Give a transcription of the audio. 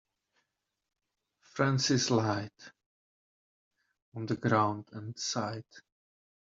Francis lied on the ground and sighed.